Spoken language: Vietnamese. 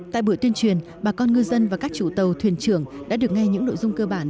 tại buổi tuyên truyền bà con ngư dân và các chủ tàu thuyền trưởng đã được nghe những nội dung cơ bản